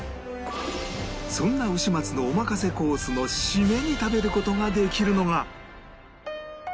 そんなうし松のおまかせコースのシメに食べる事ができるのが